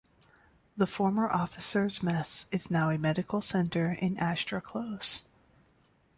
The former Officers' Mess is now a medical centre in Astra Close.